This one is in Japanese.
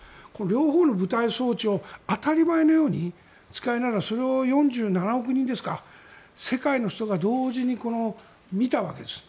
両方の舞台装置を当たり前のように使いながらそれを４７億人世界の人が同時に見たわけです。